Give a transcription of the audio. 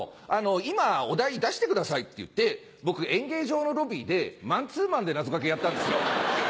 「今お題出してください」って言って僕演芸場のロビーでマンツーマンで謎掛けやったんですよ。